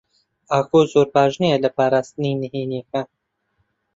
ئاکۆ زۆر باش نییە لە پاراستنی نهێنییەکان.